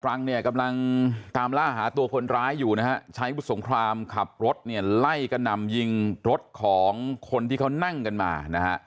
รังเนี่ยกำลังตามล่าหาตัวคนร้ายอยู่นะฮะใช้วุฒิสงครามขับรถเนี่ยไล่กระหน่ำยิงรถของคนที่เขานั่งกันมานะฮะ